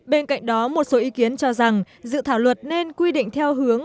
bên cạnh đó một số ý kiến cho rằng dự thảo luật nên quy định theo hướng